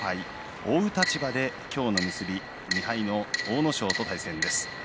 追う立場で今日の結び２敗の阿武咲と対戦です。